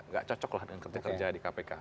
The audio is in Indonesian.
nggak cocok lah dengan kerja kerja di kpk